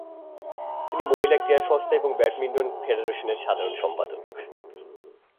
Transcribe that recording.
তিনি মহিলা ক্রীড়া সংস্থা ও ব্যাডমিন্টন ফেডারেশনের সাধারণ সম্পাদক।